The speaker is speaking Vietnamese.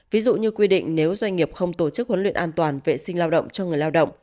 ví dụ như quy định nếu doanh nghiệp không tổ chức huấn luyện an toàn vệ sinh lao động cho người lao động